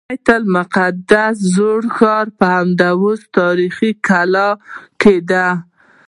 د بیت المقدس زوړ ښار په همدې تاریخي کلا کې دی.